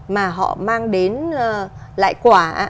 mà họ mang đến lợi ích của nhà nước